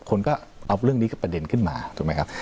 คนก็เอาเรื่องนี้กับประเด็นขึ้นมาถูกไหมครับ